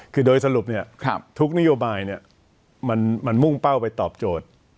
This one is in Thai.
คือโดยสรุปเนี่ยทุกนิโยบายเนี่ยมันมุ่งเป้าไปตอบโจทย์